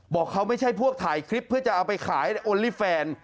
บอกเขาไม่ใช่พวกถ่ายคลิปเพื่อจะเอาไปขายโอลี่แฟน